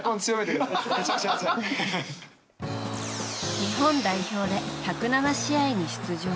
日本代表で１０７試合に出場。